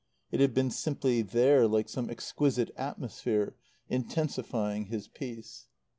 It had been simply there like some exquisite atmosphere, intensifying his peace.